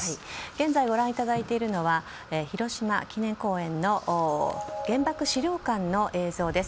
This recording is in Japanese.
現在、ご覧いただいているのは広島の平和公園の原爆資料館の映像です。